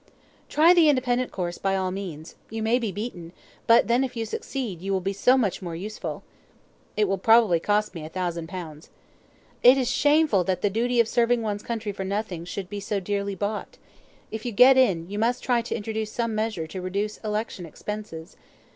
"Try the independent course, by all means; you may be beaten, but then if you succeed, you will be so much more useful." "It will probably cost me a thousand pounds." "It is shameful that the duty of serving one's country for nothing should be so dearly bought. If you get in, you must try to introduce some measure to reduce election expenses."